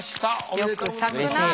よく咲くなあ